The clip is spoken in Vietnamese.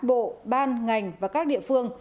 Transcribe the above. bộ ban ngành và các địa phương